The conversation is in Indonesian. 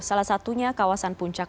salah satunya kawasan puncak